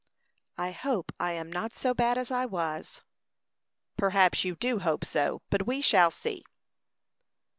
"I hope I am not so bad as I was." "Perhaps you do hope so; but we shall see."